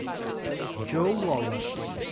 Joe Wallace